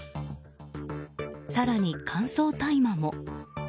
更に乾燥大麻も。